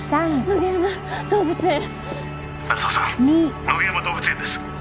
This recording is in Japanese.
野毛山動物園です